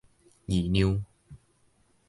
議量